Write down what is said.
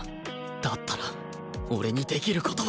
だったら俺にできる事は